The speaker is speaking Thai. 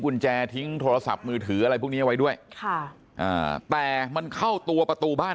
กุญแจทิ้งโทรศัพท์มือถืออะไรพวกนี้เอาไว้ด้วยค่ะอ่าแต่มันเข้าตัวประตูบ้าน